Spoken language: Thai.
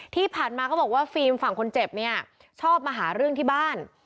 ที่ผ่านมาเขาบอกว่าฟิล์มฝั่งคนเจ็บเนี่ยชอบมาหาเรื่องที่บ้าน